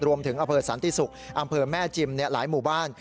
อำเภอสันติศุกร์อำเภอแม่จิมหลายหมู่บ้าน